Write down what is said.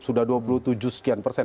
sudah dua puluh tujuh sekian persen